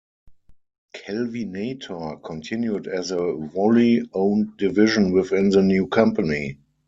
Kelvinator continued as a wholly owned division within the new company.